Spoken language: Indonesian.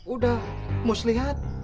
udah mus lihat